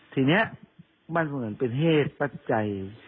ทีนี้มันเหมือนเป็นเหตุปัจจัย